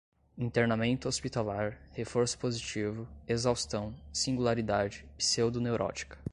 internamento hospitalar, reforço positivo, exaustão, singularidade, pseudoneurótica